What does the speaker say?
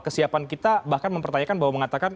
kesiapan kita bahkan mempertanyakan bahwa mengatakan